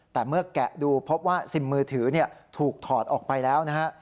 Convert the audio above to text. แต่เมื่อแกะดูพบว่าซิมมือถือถูกถอดออกไปแล้วนะฮะ